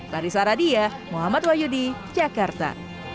dari saradiah muhammad wayudi jakarta